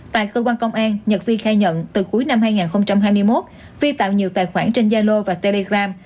tại cơ quan công an nhật vi khai nhận từ cuối năm hai nghìn hai mươi một vi tạo nhiều tài khoản trên gia lô và telegram